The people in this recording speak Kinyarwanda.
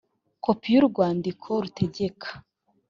kopi y urwandiko rutegeka